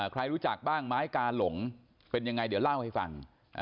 ใครรู้จักบ้างไม้กาหลงเป็นยังไงเดี๋ยวเล่าให้ฟัง